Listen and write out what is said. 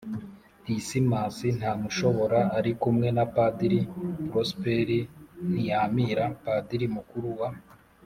dismas ntamushobora, ari kumwe na padiri prosper ntiyamira, padiri mukuru wa